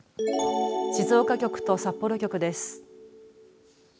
静岡局と札幌局です。